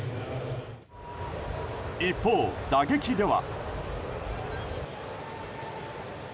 一方、打撃では。